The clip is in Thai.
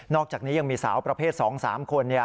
อกจากนี้ยังมีสาวประเภท๒๓คน